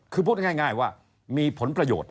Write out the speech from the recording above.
คือพูดง่ายว่ามีผลประโยชน์